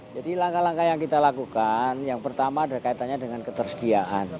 jadi langkah langkah yang kita lakukan yang pertama ada kaitannya dengan ketersediaan